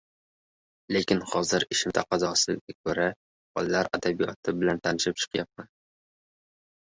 Lekin hozir ishim taqozosiga ko‘ra, bolalar adabiyoti bilan tanishib chiqyapman.